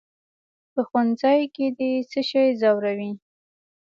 "په ښوونځي کې دې څه شی ځوروي؟"